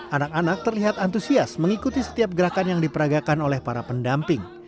anak anak terlihat antusias mengikuti setiap gerakan yang diperagakan oleh para pendamping